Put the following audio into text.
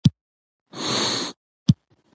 سوله او ثبات د اقتصادي غوړېدو اصلي لاملونه دي.